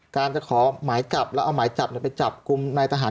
การจะขอหมายจับแล้วเอาหมายจับไปจับกลุ่มนายทหาร